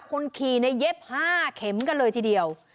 คนขี่ในเย็บห้าเข็มกันเลยทีเดียว